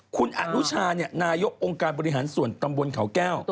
คุณอนุชานายกองค์การบริหารส่วนตำบลเขาแก้ว